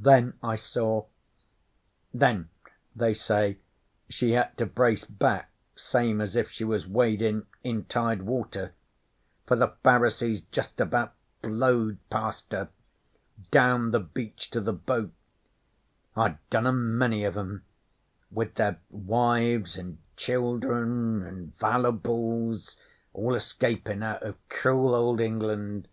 'Then I saw then, they say, she had to brace back same as if she was wadin' in tide water; for the Pharisees just about flowed past her down the beach to the boat, I dunnamany of 'em with their wives an' childern an' valooables, all escapin' out of cruel Old England.